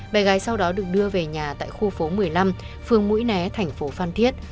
bé gái sau đó được đưa về nhà tại khu phố một mươi năm phường mũi né thành phố phan thiết